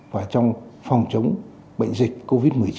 và trong phòng chống bệnh dịch covid một mươi chín